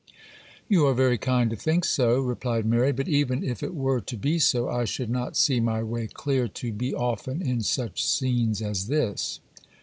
'You are very kind to think so,' replied Mary; 'but even if it were to be so, I should not see my way clear to be often in such scenes as this.